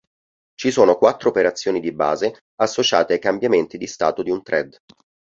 Ci sono quattro operazioni di base associate ai cambiamenti di stato di un thread.